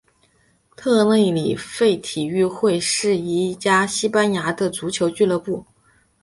特内里费体育会是一家西班牙的足球俱乐部。